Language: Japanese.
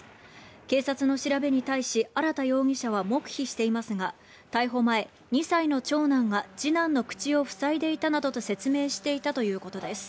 警察の調べに対し荒田容疑者は黙秘していますが逮捕前、２歳の長男が次男の口を塞いでいたなどと説明していたということです。